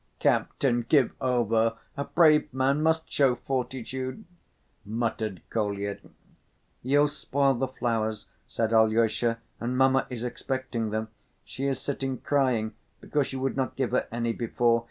"Captain, give over, a brave man must show fortitude," muttered Kolya. "You'll spoil the flowers," said Alyosha, "and mamma is expecting them, she is sitting crying because you would not give her any before.